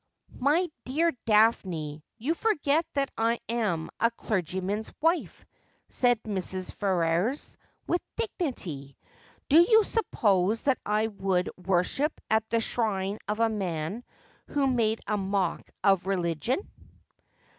My dear Daphne, you forget that I am a clergyman's wife,' said Mrs. Ferrers, with dignity. ' Do you suppose that I would worship at the shrine of a man who made a mock of religion